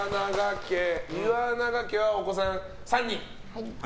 岩永家はお子さん、３人。